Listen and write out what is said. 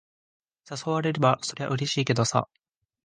誘われれば、そりゃうれしいけどさ。